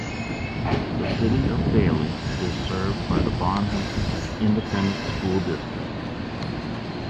The City of Bailey is served by the Bonham Independent School District.